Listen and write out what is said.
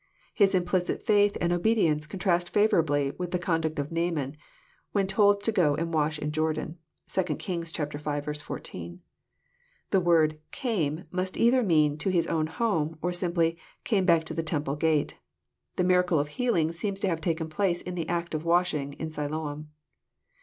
His implicit faith and obedience contrast favourably with the conduct of Naaman, when told to go and wash in Jor dan. (2 Kings V. 14.) The word "came" must either mean " to his own home," or simply " came back to the temple gate." The miracle of healing seems to have taken place in the act of washing in Siloam.